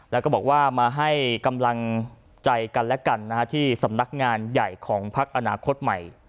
แล้วก็บอกว่ามาให้กำลังใจกันและกันที่สำนักงานใหญ่ของพักอนาคตใหม่